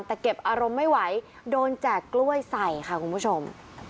แต่เก็บอารมณ์ไม่ไหวโดนแจกกล้วยใส่ค่ะคุณผู้ชม